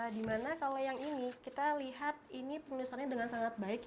di mana kalau yang ini kita lihat ini penulisannya dengan sangat baik ya